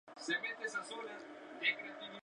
O'Donnell falleció ese mismo año en la ciudad eterna.